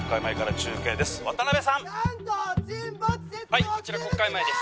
はいこちら国会前です